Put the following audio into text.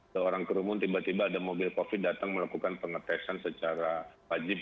seorang kerumun tiba tiba ada mobil covid datang melakukan pengetesan secara wajib